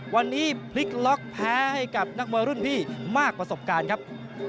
วันนี้พลิกล็อกแพ้ให้กับนักมวยรุ่นพี่มากประสบการณ์ครับ